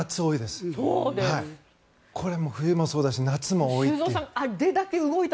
これは冬もそうだし夏も多いという。